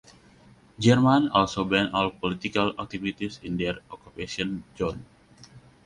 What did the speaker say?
Germans also ban all political activities in their occupation zone.